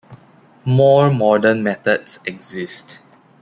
More modern methods exist.